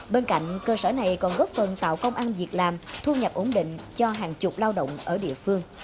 bên cạnh cơ sở này còn góp phần tạo công ăn việc làm thu nhập ổn định cho hàng chục lao động ở địa phương